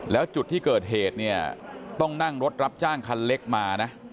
แล้วจุดที่เกิดเหตุเนี่ยต้องนั่งรถรับจ้างคันเล็กมานะ